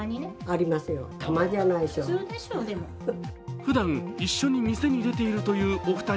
ふだん一緒に店に出ているというお二人。